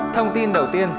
thông tin đầu tiên